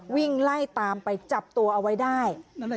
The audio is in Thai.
วิ่งไล่ตามไปจับตัวเอาไว้ได้